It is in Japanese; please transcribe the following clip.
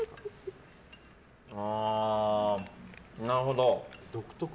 なるほど。